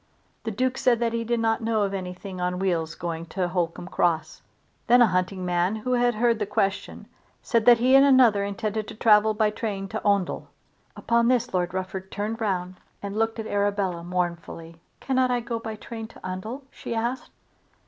The Duke said that he did not know of anything on wheels going to Holcombe Cross. Then a hunting man who had heard the question said that he and another intended to travel by train to Oundle. Upon this Lord Rufford turned round and looked at Arabella mournfully. "Cannot I go by train to Oundle?" she asked.